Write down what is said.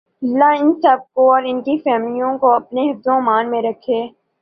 لله ان سب کو اور انکی فیملیز کو اپنے حفظ و امان میں رکھے